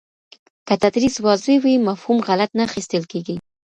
که تدریس واضح وي، مفهوم غلط نه اخیستل کېږي.